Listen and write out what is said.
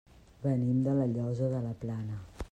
Venim de La Llosa de la Plana.